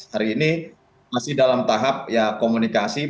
hari ini masih dalam tahap komunikasi